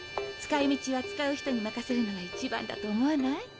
使いみちは使う人に任せるのが一番だと思わない？